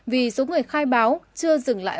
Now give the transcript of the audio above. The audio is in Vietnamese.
vì số người khai báo chưa dừng lại